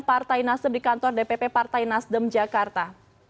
partai nasdem di kantor dpp partai nasdem jakarta